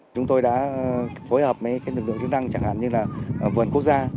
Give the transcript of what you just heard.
chúng tôi đã phối hợp mấy cái lực lượng chứng năng chẳng hạn như là vườn quốc gia